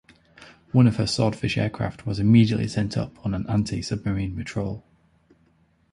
One of her Swordfish aircraft was immediately sent up on an anti-submarine patrol.